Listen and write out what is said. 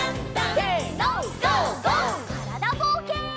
からだぼうけん。